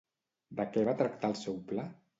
De què va tractar el seu pla?